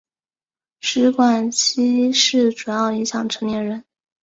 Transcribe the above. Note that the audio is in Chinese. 食管憩室主要影响成年人。